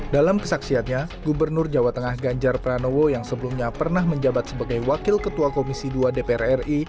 dalam kesaksiannya gubernur jawa tengah ganjar pranowo yang sebelumnya pernah menjabat sebagai wakil ketua komisi dua dpr ri